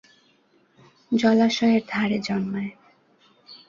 জলাশয়ের ধারে জন্মায়।